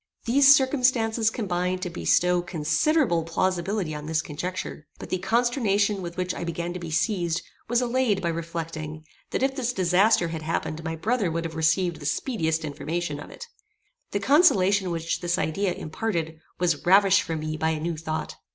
These circumstances combined to bestow considerable plausibility on this conjecture; but the consternation with which I began to be seized was allayed by reflecting, that if this disaster had happened my brother would have received the speediest information of it. The consolation which this idea imparted was ravished from me by a new thought.